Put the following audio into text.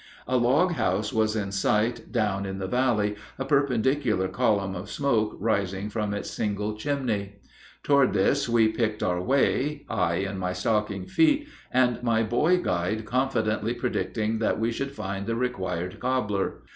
A log house was in sight down in the valley, a perpendicular column of smoke rising from its single chimney. Toward this we picked our way, I in my stocking feet, and my boy guide confidently predicting that we should find the required cobbler.